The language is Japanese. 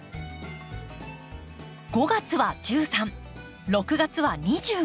５月は１３６月は２５